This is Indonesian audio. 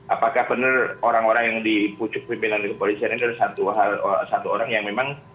apakah benar orang orang yang dipucuk pimpinan kepolisian ini adalah satu orang yang memang